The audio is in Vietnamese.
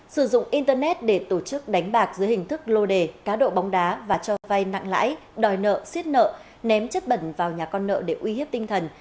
sử dụng internet để tổ chức đánh bạc dưới hình thức lô đề cá độ bóng đá và cho vay nặng lãi đòi nợ xiết nợ ném chất bẩn vào nhà con nợ để uy hiếp tinh thần